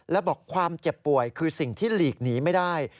และบอกความเจ็บป่วยคือสิ่งที่หลีกหนีไม่ได้